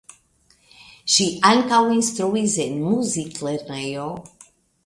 Ŝi ankaŭ instruis en muziklernejo.